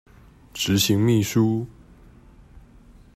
執行秘書